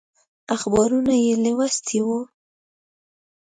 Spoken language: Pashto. اخبارونه یې لوستي وو.